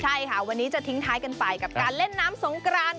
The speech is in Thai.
ใช่ค่ะวันนี้จะทิ้งท้ายกันไปกับการเล่นน้ำสงกราน